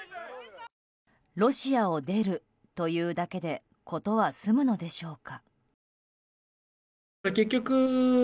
ロシアを出るというだけで事は済むのでしょうか。